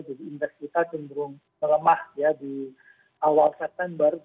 jadi indeks kita cenderung melemah ya di awal september